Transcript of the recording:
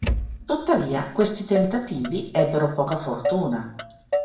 Tuttavia questi tentativi ebbero poca fortuna.